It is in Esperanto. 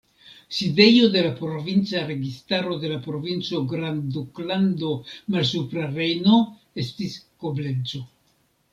Sidejo de la provinca registaro de la provinco Grandduklando Malsupra Rejno estis Koblenco.